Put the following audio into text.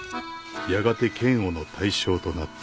やがて嫌悪の対象となった。